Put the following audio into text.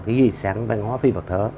cái ghi sáng và ngó phi vật thở